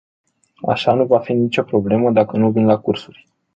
Așa nu va fi nicio problemă dacă nu vin la cursuri.